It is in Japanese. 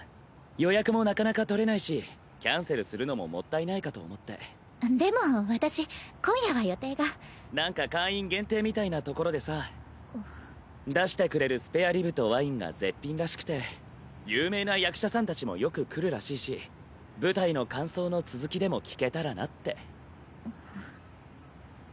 予約もなかなか取れないしキャンセルするのももったいないかと思ってでも私今なんか会員限定みたいな所でさ出してくれるスペアリブとワインが絶品らしくて有名な役者さんたちもよく来るらしいし舞台の感想の続きでも聞けたらなってんっ